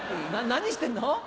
何してんの？